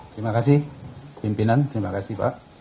terima kasih pimpinan terima kasih pak